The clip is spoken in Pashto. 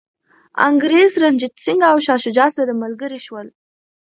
انګریز، رنجیت سنګ او شاه شجاع سره ملګري شول.